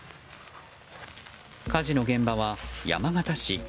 火事の現場は山形市。